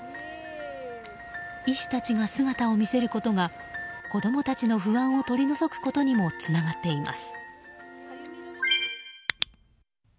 医師たちが姿を見せることが子供たちの不安を取り除くことにもつながっています。